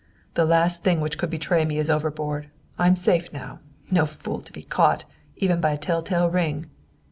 "The last thing which could betray me is overboard. I'm safe now! No fool to be caught, even by a tell tale ring!"